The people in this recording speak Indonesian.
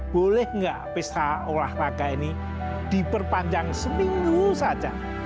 boleh nggak pesta olahraga ini diperpanjang seminggu saja